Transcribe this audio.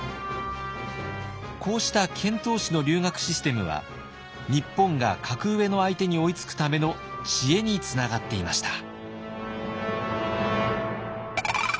こうした遣唐使の留学システムは日本が格上の相手に追いつくための知恵につながっていました。